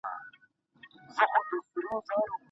د بریا سند یوازي با استعداده کسانو ته نه سي منسوبېدلای.